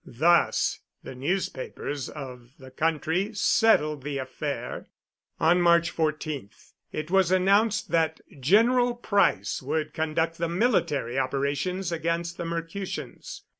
Thus the newspapers of the country settled the affair. On March 14th it was announced that General Price would conduct the military operations against the Mercutians.